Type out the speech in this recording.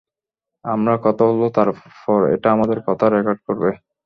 আমরা কথা বলব তারপর এটা আমাদের কথা রেকর্ড করবে।